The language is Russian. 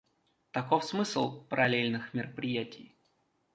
Таков смысл "параллельных мероприятий".